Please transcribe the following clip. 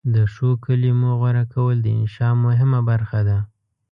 د ښو کلمو غوره کول د انشأ مهمه برخه ده.